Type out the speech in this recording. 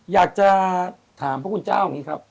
อยากจะถามพระคุณกลุ่มนี้ครับ